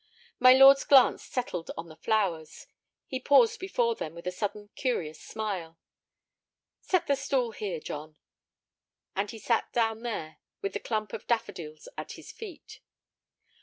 My lord's glance settled on the flowers. He paused before them with a sudden curious smile. "Set the stool here, John." And he sat down there, with the clump of daffodils at his feet.